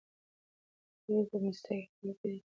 تا ولې په مېلمستیا کې خپله ډوډۍ نیمګړې پرېښوده؟